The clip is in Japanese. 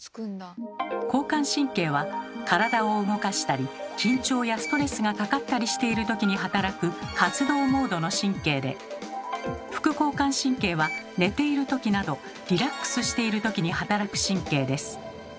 交感神経は体を動かしたり緊張やストレスがかかったりしているときに働く「活動モード」の神経で副交感神経は寝ているときなどリラックスしているときに働く神経です。